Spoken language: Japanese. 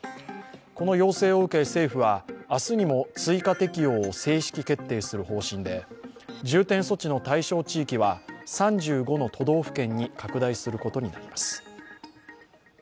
この要請を受け政府は、明日にも追加適用を正式決定する方針で重点措置の対象地域は３５の都道府県に拡大することになります。